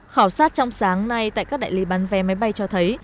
khảo sát trong sáng nay tại các đại lý bán vé máy bay cho thấy